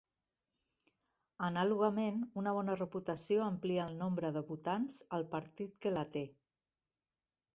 Anàlogament, una bona reputació amplia el nombre de votants al partit que la té.